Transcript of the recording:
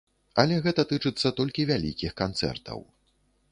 Але гэта тычыцца толькі вялікіх канцэртаў.